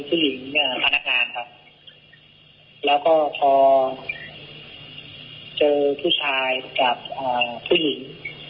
ผู้หญิงเนี่ยพนักงานครับแล้วก็พอเจอผู้ชายกับผู้หญิง